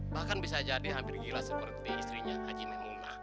bahkan bisa jadi hampir gila seperti istrinya haji nek muna